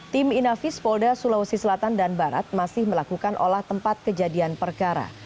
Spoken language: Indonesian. tim inafis polda sulawesi selatan dan barat masih melakukan olah tempat kejadian perkara